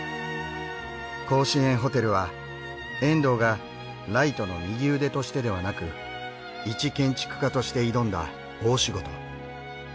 甲子園ホテルは遠藤がライトの右腕としてではなく一建築家として挑んだ大仕事。